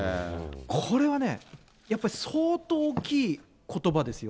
これはね、相当大きいことばですよ。